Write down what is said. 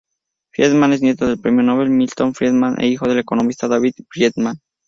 Friedman es nieto del Premio Nobel Milton Friedman e hijo del economista David Friedman.